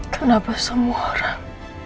kenapa semua orang